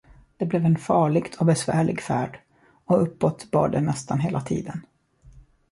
Det blev en farligt och besvärlig färd, och uppåt bar det nästan hela tiden.